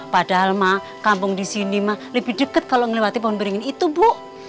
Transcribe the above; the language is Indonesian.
padahal mah kampung disini mah lebih deket kalau ngelewati pohon beringin itu bu